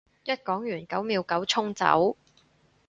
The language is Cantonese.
一講完九秒九衝走